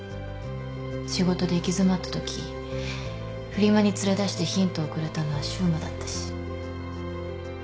仕事で行き詰まったときフリマに連れ出してヒントをくれたのは柊磨だったし。